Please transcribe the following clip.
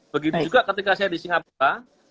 begitu juga ketika saya di singapura